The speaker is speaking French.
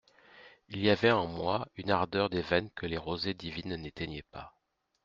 Il y avait en moi une ardeur des veines que les rosées divines n'éteignaient pas.